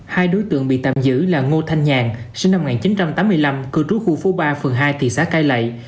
hai đối tượng bị tạm giữ là ngô thanh nhàn sinh năm một nghìn chín trăm tám mươi năm cư trú khu phố ba phường hai thị xã cai lậy